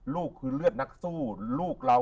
ลูกคือเลือดนักสู้